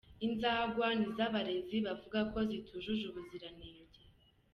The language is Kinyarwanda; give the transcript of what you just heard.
Inzo ngwa ni zo abarezi bavuga ko zitujuje ubuziranenge.